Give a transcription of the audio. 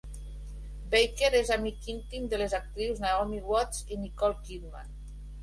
Baker és amic íntim de les actrius Naomi Watts i Nicole Kidman.